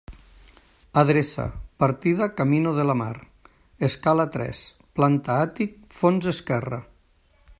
Adreça: partida Camino de la Mar, escala tres, planta àtic, fons esquerra.